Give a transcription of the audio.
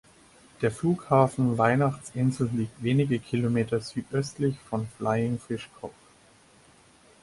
Der Flughafen Weihnachtsinsel liegt wenige Kilometer südöstlich von Flying Fish Cove.